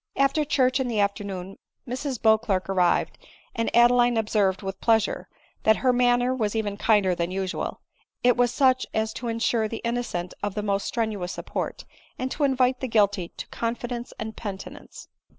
After church in the afternoon Mrs Beauclerc arrived, and Adeline observed, with pleasure, that her manner was even kinder than usual ; it was such as to insure the innocent of the most strenuous support, and to invite the guilty to confidence and penitence.